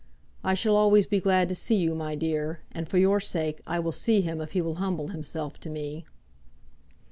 I shall always be glad to see you, my dear; and for your sake, I will see him if he will humble himself to me."